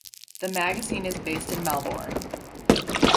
The magazine is based in Melbourne.